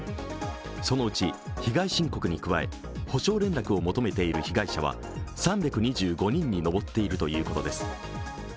そのうち被害申告に加え、補償連絡を求めている被害者は３２５人にのぼっているということです。